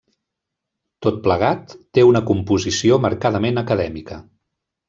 Tot plegat té una composició marcadament acadèmica.